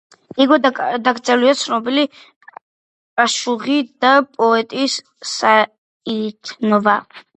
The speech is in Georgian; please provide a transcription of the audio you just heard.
იქვე დაკრძალულია ცნობილი აშუღი და პოეტი საიათნოვა.